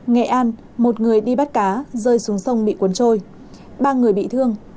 nghệ an một người đi bắt cá rơi xuống sông bị cuốn trôi ba người bị thương